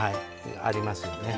ありますよね。